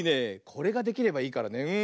これができればいいからね。